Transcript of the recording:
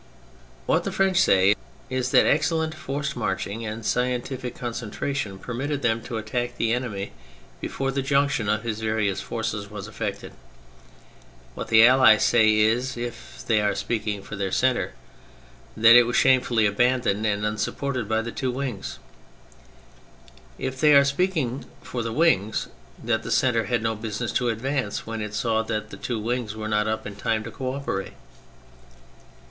What the French say is that excellent forced marching and scientific concentration permitted them to attack the enemy before the junction of his various forces was effected. What the Allies say is (if they are speaking for their centre) that it was shamefully aban doned and unsupported by the two wings; if they are speaking for the wings, that the centre had no business to advance, when it saw that the two wings were not up in time to co operate.